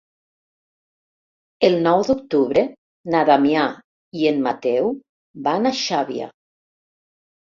El nou d'octubre na Damià i en Mateu van a Xàbia.